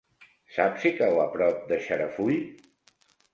Saps si cau a prop de Xarafull?